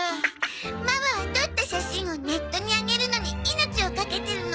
ママは撮った写真をネットに上げるのに命を懸けてるの。